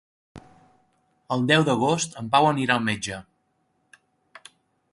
El deu d'agost en Pau anirà al metge.